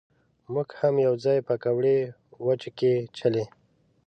مونږ هم یو ځای پکوړې وچکچلې.